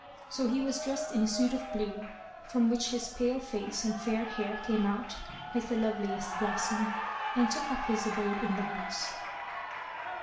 So he was dressed in a suit of blue, from which his pale face and fair hair came out like the loveliest blossom, and took up his abode in the house.